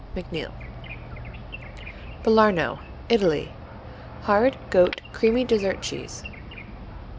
(MacNeill) Belarno Italy Hard; goat; creamy dessert cheese.